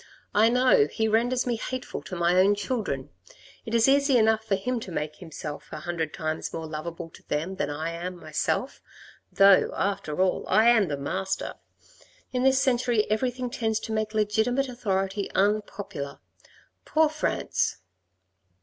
" I know, he renders me hateful to my own children. It is easy enough for him to make himself a hundred times more loveable to them than I am myself, though after all, I am the master. In this century everything tends to make legitimate authority un popular. Poor France